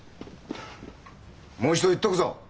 もう一度言っとくぞ！